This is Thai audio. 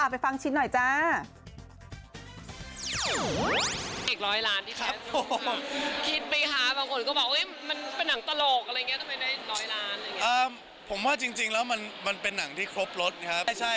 ไปฟังชิ้นหน่อยจ้า